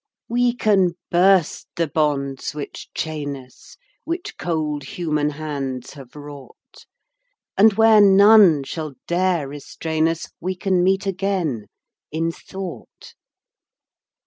We can burst the bonds which chain us, Which cold human hands have wrought, And where none shall dare restrain us We can meet again, in thought.